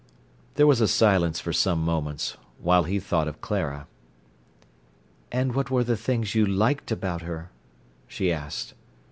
There was a silence for some moments, while he thought of Clara. "And what were the things you liked about her?" she asked.